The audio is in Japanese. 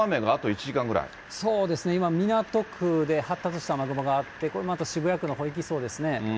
そうですね、今、港区で発達した雨雲があって、これまた渋谷区のほうに行きそうですね。